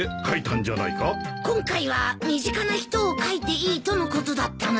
今回は身近な人を書いていいとのことだったので。